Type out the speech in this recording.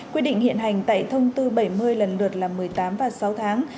quy định hiện hành tại thông tư bảy mươi lần lượt là một mươi tám và sáu tháng